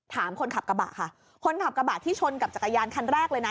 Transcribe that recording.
ถามคนขับกระบะค่ะคนขับกระบะที่ชนกับจักรยานคันแรกเลยนะ